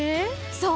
そう！